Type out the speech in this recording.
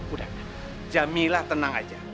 udah jamila tenang aja